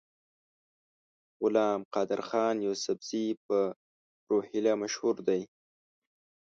غلام قادرخان یوسفزي په روهیله مشهور دی.